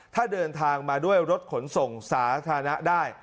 ถ้าเดินทางมาด้วยรถขนส่งสาธารณะได้